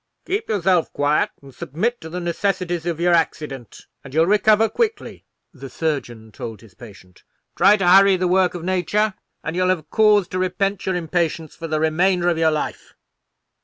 "Keep yourself quiet, and submit to the necessities of your accident, and you'll recover quickly," the surgeon told his patient. "Try to hurry the work of nature, and you'll have cause to repent your impatience for the remainder of your life."